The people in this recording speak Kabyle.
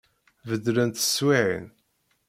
Beddlent teswiɛin.